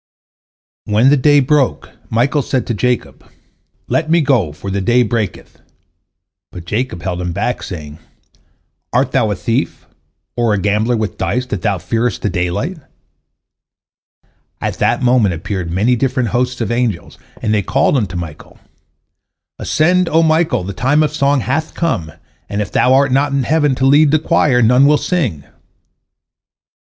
When the day broke, Michael said to Jacob, "Let me go, for the day breaketh," but Jacob held him back, saying, "Art thou a thief, or a gambler with dice, that thou fearest the daylight?" At that moment appeared many different hosts of angels, and they called unto Michael: "Ascend, O Michael, the time of song hath come, and if thou art not in heaven to lead the choir, none will sing."